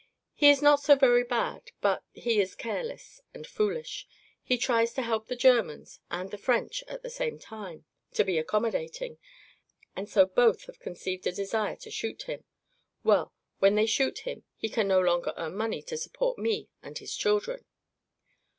He is not so very bad, but he is careless and foolish. He tries to help the Germans and the French at the same time, to be accommodating, and so both have conceived a desire to shoot him. Well; when they shoot him he can no longer earn money to support me and his children."